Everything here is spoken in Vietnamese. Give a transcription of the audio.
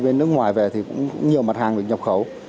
bên nước ngoài về thì cũng nhiều mặt hàng được nhập khẩu